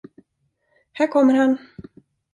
Här kommer han.